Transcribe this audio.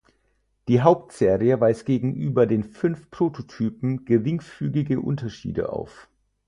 Die Hauptserie weist gegenüber den fünf Prototypen geringfügige Unterschiede auf.